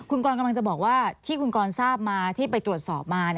คุณกรกำลังจะบอกว่าที่คุณกรทราบมาที่ไปตรวจสอบมา